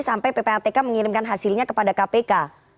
sampai ppatk mengirimkan hasilnya kepada kpk